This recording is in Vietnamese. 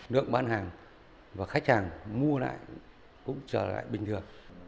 lượng bán hàng và khách hàng mua lại cũng trở lại bình thường